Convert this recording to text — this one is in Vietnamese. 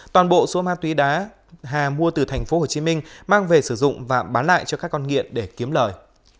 toàn bộ số ma túy đá hà mua từ tp hcm mang về sử dụng và bán lại cho các con nghiện để kiếm lời